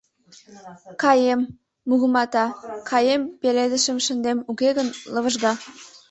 — Каем... — мугымата, — каем пеледышым шындем, уке гын, лывыжга.